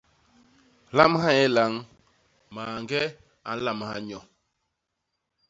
Lamha nye lañ; mañge a nlamha nyo.